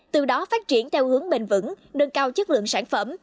từ đó phát triển theo hướng bền vững nâng cao chất lượng sản phẩm